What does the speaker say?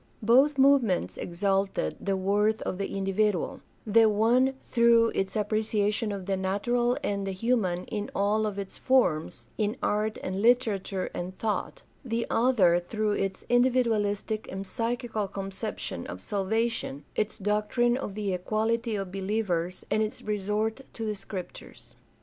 Both move ments exalted the worth of the individual: the one through its appreciation of the natural and the human in all of its forms, in art and literature and thought; the other through its individualistic and psychical conception of salvation, its doctrine of the equality of believers, and its resort to the Scriptures.